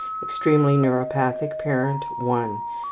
1 Extremely neuropathic parent. ....